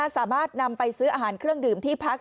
สามารถนำไปซื้ออาหารเครื่องดื่มที่พัก